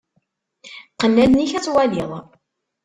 Qqen allen-ik ad twaliḍ.